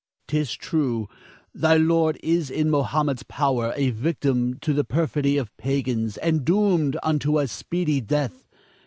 'Tis true; thy lord is in Mohammed's power, a victim to the perfidy of pagans, and doomed unto a speedy death.